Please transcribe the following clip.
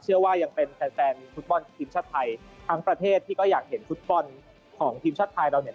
เชื่อว่ายังเป็นแฟนแฟนฟุตบอลทีมชาติไทยทั้งประเทศที่ก็อยากเห็นฟุตบอลของทีมชาติไทยเราเนี่ย